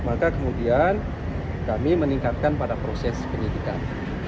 maka kemudian kami meningkatkan pada proses penyidikan